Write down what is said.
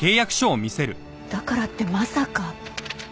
だからってまさか！